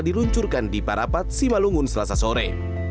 diluncurkan di parapat simalungun selasa sore